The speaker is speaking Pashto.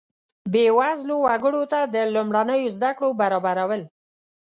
بیوزله وګړو ته د لومړنیو زده کړو برابرول.